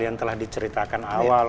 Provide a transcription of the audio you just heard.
yang telah diceritakan awal